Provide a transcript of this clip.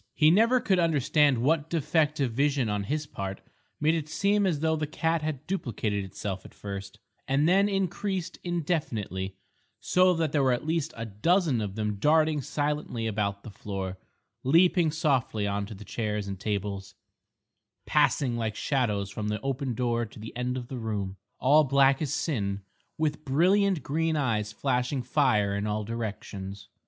He never could understand what defect of vision on his part made it seem as though the cat had duplicated itself at first, and then increased indefinitely, so that there were at least a dozen of them darting silently about the floor, leaping softly on to chairs and tables, passing like shadows from the open door to the end of the room, all black as sin, with brilliant green eyes flashing fire in all directions.